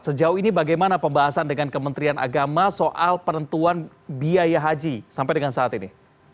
sejauh ini bagaimana pembahasan dengan kementerian agama soal penentuan biaya haji sampai dengan saat ini